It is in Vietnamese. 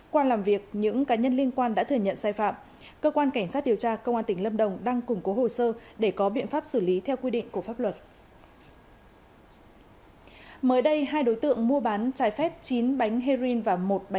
qua làm việc những cá nhân liên quan đã thừa nhận sai phạm cơ quan cảnh sát điều tra công an tỉnh lâm đồng đang củng cố hồ sơ để có biện pháp xử lý theo quy định của pháp luật